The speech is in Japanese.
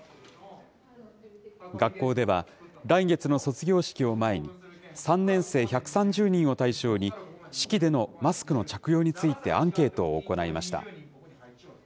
学校では、来月の卒業式を前に、３年生１３０人を対象に、式でのマスクの着用についてアンケートを行いました。